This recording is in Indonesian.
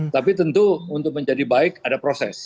tapi tentu untuk menjadi baik ada proses